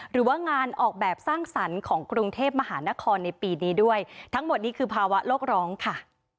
หรือว่างานออกแบบสร้างสรรค์ของกรุงเทพมหานครในปีนี้ด้วยทั้งหมดนี้คือภาวะโลกร้องค่ะ